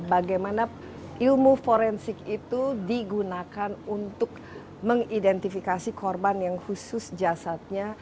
bagaimana ilmu forensik itu digunakan untuk mengidentifikasi korban yang khusus jasadnya